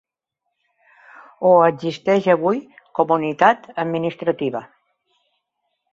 Ho existeix avui com unitat administrativa.